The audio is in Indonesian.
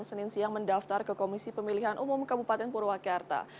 senin siang mendaftar ke komisi pemilihan umum kabupaten purwakarta